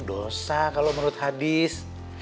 dosa kalau menurut hadis